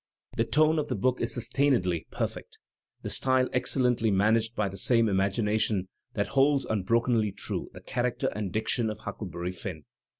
The tone of the book is sus tainedly perfect, the style excellently managed by 'the same imagination that holds unbrokenly true the character and diction of Huckleberry Pinn.